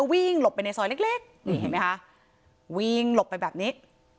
ก็วิ่งหลบไปในซอยเล็กนี่เห็นมั้ยคะวิ่งหลบไปแบบนี้